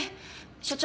所長